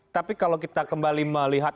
tapi kalau kita kembali melihat